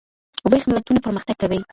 ویښ ملتونه پرمختګ کوي.